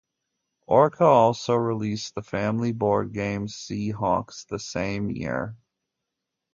Orca also released the family board game "Sea Hawks" the same year.